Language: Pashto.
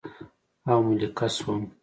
او ملکه شوم